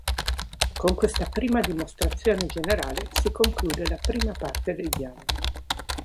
Con questa prima dimostrazione generale si conclude la prima parte del dialogo.